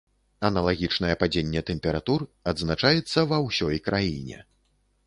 Аналагічнае падзенне тэмператур адзначаецца ва ўсёй краіне.